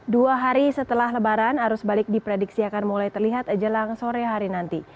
dua hari setelah lebaran arus balik diprediksi akan mulai terlihat jelang sore hari nanti